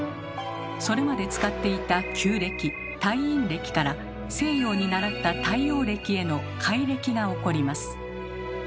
それまで使っていた旧暦太陰暦から西洋に倣った太陽暦への改暦が起こります。